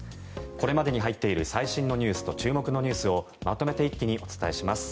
これまでに入っている最新ニュースと注目ニュースをまとめて一気にお伝えします。